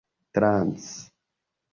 trans